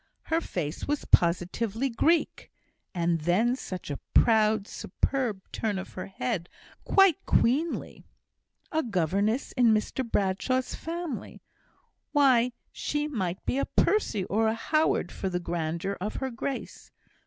Her face was positively Greek; and then such a proud, superb turn of her head; quite queenly! A governess in Mr Bradshaw's family! Why, she might be a Percy or a Howard for the grandeur of her grace!